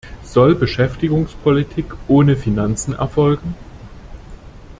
Soll Beschäftigungspolitik ohne Finanzen erfolgen?